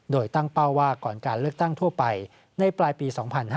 โดยตั้งเป้าว่าก่อนการเลือกตั้งทั่วไปในปลายปี๒๕๕๙